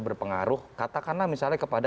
berpengaruh katakanlah misalnya kepada